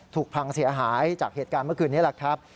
พังเสียหายจากเหตุการณ์เมื่อคืนนี้แหละครับ